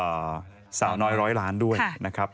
สาวน้อยร้อยล้านด้วยนะครับ